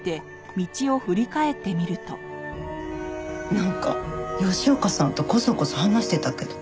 なんか吉岡さんとこそこそ話してたけど。